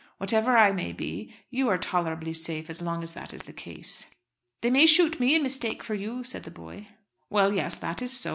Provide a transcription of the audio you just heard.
Whatever I may be, you are tolerably safe as long as that is the case." "They may shoot me in mistake for you," said the boy. "Well, yes; that is so.